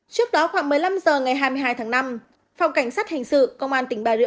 trước đó khoảng một mươi năm h ngày hai mươi hai tháng năm phòng cảnh sát hình sự công an tỉnh bà rịa